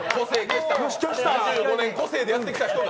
２５年個性でやってきた人が。